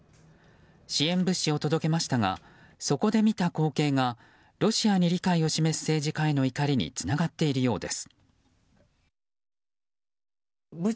支援物資を届けましたがそこで見た光景がロシアに理解を示す政治家への怒りにつながっているようです。